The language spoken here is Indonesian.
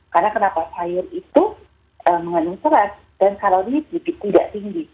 karena kenapa sayur itu mengandung selat dan kalori tidak tinggi